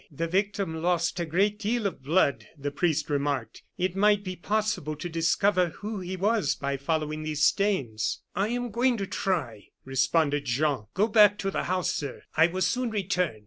"The victim lost a great deal of blood," the priest remarked; "it might be possible to discover who he was by following up these stains." "I am going to try," responded Jean. "Go back to the house, sir; I will soon return."